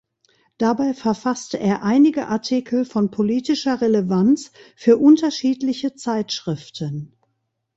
Dabei verfasste er einige Artikel von politischer Relevanz für unterschiedliche Zeitschriften.